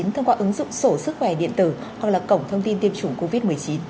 thông qua ứng dụng sổ sức khỏe điện tử hoặc là cổng thông tin tiêm chủng covid một mươi chín